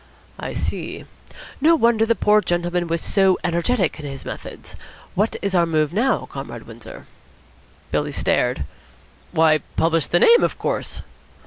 "I see. No wonder the poor gentleman was so energetic in his methods. What is our move now, Comrade Windsor?" Billy stared. "Why, publish the name, of course."